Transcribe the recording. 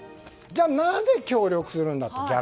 じゃあ、なぜ協力するんだと。